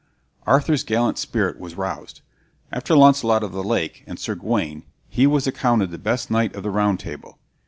Arthur's gallant spirit was roused. After Launcelot of the Lake and Sir Gawain he was accounted the best knight of the Round Table.